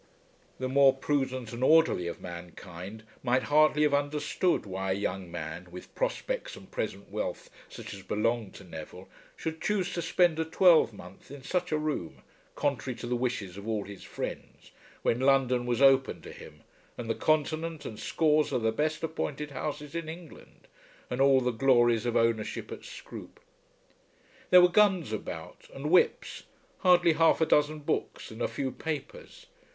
The more prudent and orderly of mankind might hardly have understood why a young man, with prospects and present wealth such as belonged to Neville, should choose to spend a twelvemonth in such a room, contrary to the wishes of all his friends, when London was open to him, and the continent, and scores of the best appointed houses in England, and all the glories of ownership at Scroope. There were guns about, and whips, hardly half a dozen books, and a few papers.